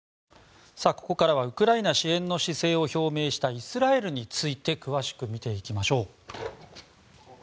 ここからはウクライナ支援の姿勢を表明したイスラエルについて詳しく見ていきましょう。